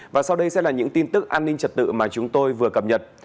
và sau đây sẽ là những tin tức an ninh trật tự mà chúng tôi vừa cập nhật